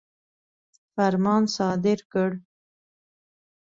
فرمان صادر کړ.